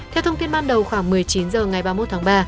theo thông tin ban đầu khoảng một mươi chín h ngày ba mươi một tháng ba